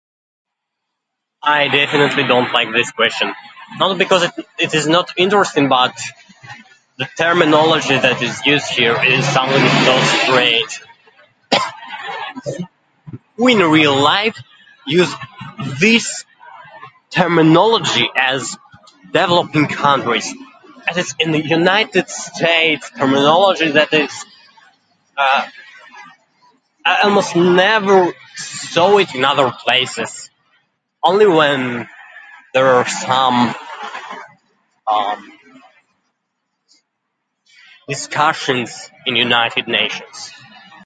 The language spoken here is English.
I definitely don't like this question. Not because it- it is not interesting, but, the terminology that is used here is something so strange. In real life, use this terminology as developing countries and it's in the United States terminology that is, uh, almost never so in other places. Only when there are some, um, discussions in United Nations.